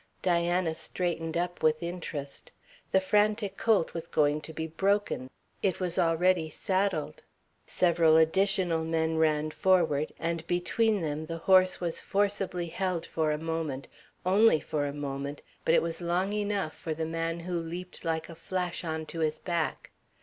Diana straightened up with interest. The frantic colt was going to be broken. It was already saddled. Several additional men ran forward, and between them the horse was forcibly held for a moment only for a moment, but it was long enough for the man who leaped like a flash on to his back.